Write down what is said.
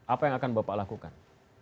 apa yang akan bapak lakukan